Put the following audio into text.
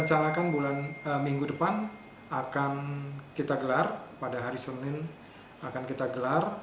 rencanakan bulan minggu depan akan kita gelar pada hari senin akan kita gelar